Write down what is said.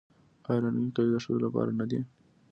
آیا رنګین کالي د ښځو لپاره نه دي؟